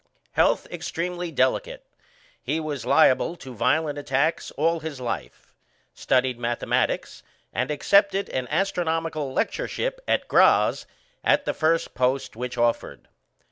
Health extremely delicate; he was liable to violent attacks all his life. Studied mathematics, and accepted an astronomical lectureship at Graz as the first post which offered.